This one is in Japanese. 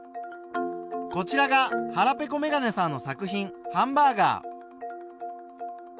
こちらがはらぺこめがねさんの作品「ハンバーガー」。